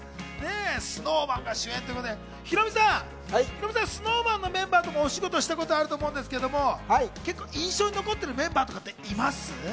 ＳｎｏｗＭａｎが主演ということでヒロミさん、ＳｎｏｗＭａｎのメンバーとか、お仕事したことあると思うんですけど、印象に残っているメンバーはいますか？